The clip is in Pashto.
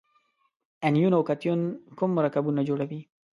انیون او کتیون کوم مرکبونه جوړوي؟